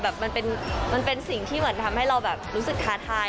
มันเป็นสิ่งที่เหมือนทำให้เราแบบรู้สึกท้าทาย